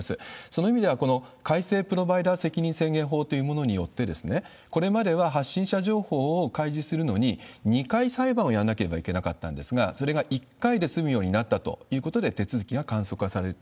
その意味では、この改正プロバイダ責任制限法というものによって、これまでは発信者情報を開示するのに、２回裁判をやらなければいけなかったんですが、それが１回で済むようになったということで、手続きが簡素化される。